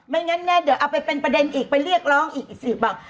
ไม่งั้นแม่เดี๋ยวเอาไปเป็นประเด็นอีกไปเรียกร้องอีกอีกสิบบอก